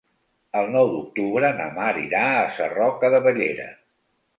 El nou d'octubre na Mar irà a Sarroca de Bellera.